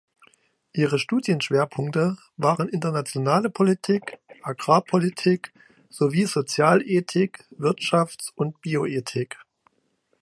Ihre Studienschwerpunkte waren Internationale Politik, Agrarpolitik sowie Sozialethik, Wirtschafts- und Bioethik.